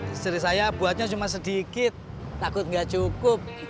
istri saya buatnya cuma sedikit takut nggak cukup